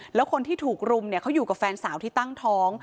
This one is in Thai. แล้วคนที่ถูกรุมเนี่ยเขาอยู่กับแฟนสาวที่ตั้งท้อง